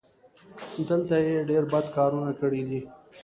دلته یې ډېر بد کارونه کړي دي.